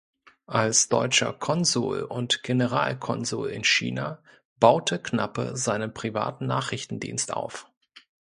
Als deutscher Konsul und Generalkonsul in China baute Knappe seinen privaten Nachrichtendienst auf.